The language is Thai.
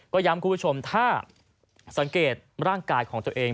ก็ย้ำคุณผู้ชมถ้าสังเกตร่างกายของตัวเอง